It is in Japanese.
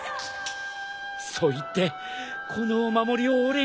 そう言ってこのお守りを俺に。